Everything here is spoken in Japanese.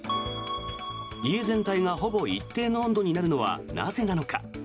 家全体がほぼ一定の温度になるのはなぜなのか。